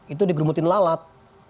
itu digermutin lalat